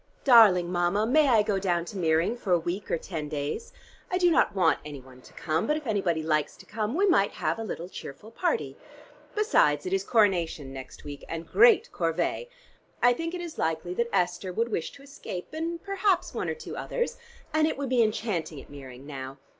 Darling Mama, may I go down to Meering for a week or ten days? I do not want any one to come, but if anybody likes to come, we might have a little cheerful party. Besides it is Coronation next week, and great corvée! I think it is likely that Esther would wish to escape and perhaps one or two others, and it would be enchanting at Meering now.